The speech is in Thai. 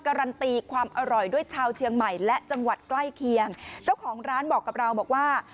การันตีความอร่อยด้วยชาวเชียงใหม่และจังหวัดใกล้เคียงเจ้าของร้านบอกกับเราบอกว่า